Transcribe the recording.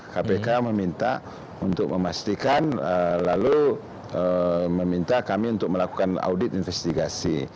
kpk meminta untuk memastikan lalu meminta kami untuk melakukan audit investigasi